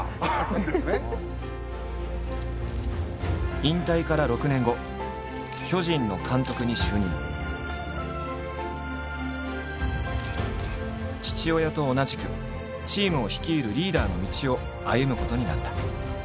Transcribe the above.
引退から６年後父親と同じくチームを率いるリーダーの道を歩むことになった。